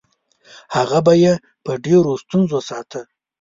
هغه به یې په ډېرو ستونزو ساته.